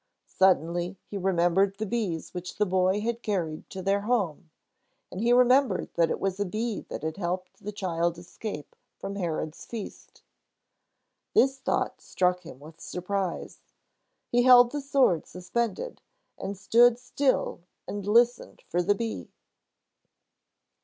Suddenly he remembered the bees which the boy had carried to their home, and he remembered that it was a bee that had helped the child escape from Herod's feast. This thought struck him with surprise. He held the sword suspended, and stood still and listened for the bee.